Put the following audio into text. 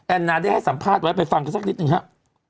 นาได้ให้สัมภาษณ์ไว้ไปฟังกันสักนิดหนึ่งครับ